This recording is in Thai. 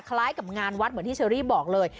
คล้ายกับงานวัดเหมือนที่เชอรี่บอกเลย